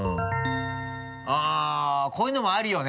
あっこういうのもあるよね。